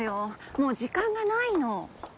もう時間がないの。